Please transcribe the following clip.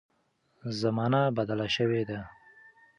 زمانه بدله شوې ده.